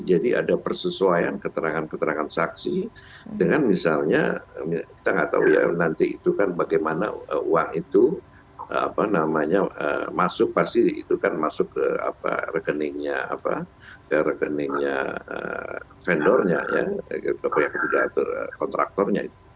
jadi ada persesuaian keterangan keterangan saksi dengan misalnya kita tidak tahu ya nanti itu kan bagaimana uang itu apa namanya masuk pasti itu kan masuk ke rekeningnya apa rekeningnya vendornya ya kontraktornya